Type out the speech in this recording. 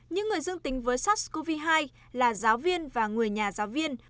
những người dương tính với sars cov hai là giáo viên và người nhà giáo viên